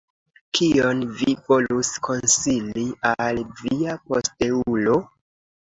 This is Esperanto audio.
Kion vi volus konsili al via posteulo?